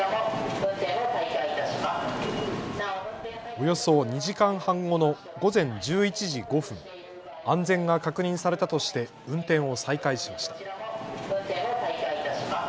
およそ２時間半後の午前１１時５分、安全が確認されたとして運転を再開しました。